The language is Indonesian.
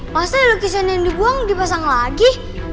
pasti lukisan yang dibuang dipasang lagi